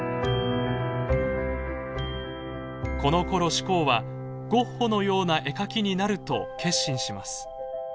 このころ志功はゴッホのような絵描きになると決心します。